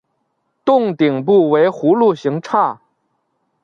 幢顶部为葫芦形刹。